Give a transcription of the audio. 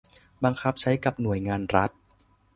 บังคับใช้กับหน่วยงานรัฐ